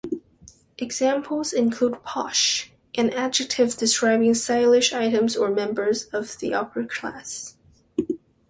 Examples include "posh", an adjective describing stylish items or members of the upper class.